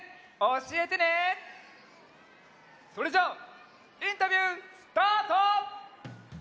それじゃあインタビュースタート！